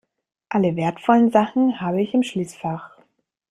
Alle wertvollen Sachen habe ich im Schließfach.